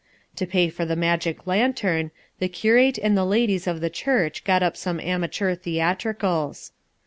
To pay for the magic lantern, the curate and the ladies of the church got up some amateur theatricals.